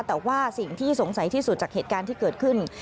แต่ว่าสิ่งที่สงสัยที่สุดจากเหตุการณ์ที่เกิดขึ้น